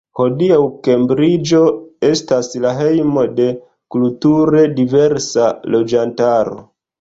Hodiaŭ, Kembriĝo estas la hejmo de kulture diversa loĝantaro.